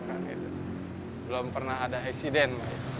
belum pernah ada eksiden